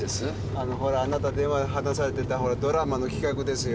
あのほらあなた電話で話されてたほらドラマの企画ですよ。